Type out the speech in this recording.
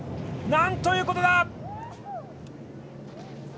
なんということだ！